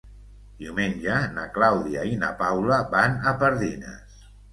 Diumenge na Clàudia i na Paula van a Pardines.